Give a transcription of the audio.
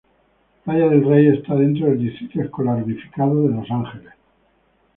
Playa del Rey está dentro del Distrito Escolar Unificado de Los Ángeles.